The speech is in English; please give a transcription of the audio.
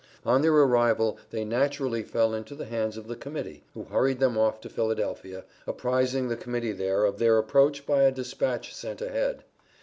On their arrival they naturally fell into the hands of the Committee, who hurried them off to Philadelphia, apprising the Committee there of their approach by a dispatch sent ahead.